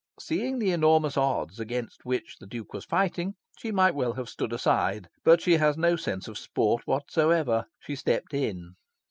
Seeing the enormous odds against which the Duke was fighting, she might well have stood aside. But she has no sense of sport whatsoever. She stepped in.